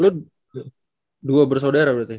lo dua bersaudara berarti